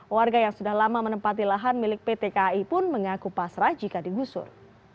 warga yang sudah lama menempati lahan milik pt kai pun mengaku pasrah jika digusur